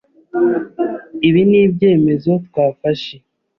Ibi nibyemezo twafashe.